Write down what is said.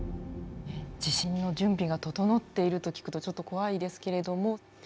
地震の準備が整っていると聞くとちょっと怖いですけれども。